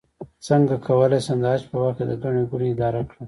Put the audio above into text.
څنګه کولی شم د حج په وخت کې د ګڼې ګوڼې اداره کړم